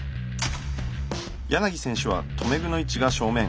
選手は留め具の位置が正面。